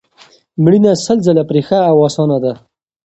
مړینه سل ځله پرې ښه او اسانه ده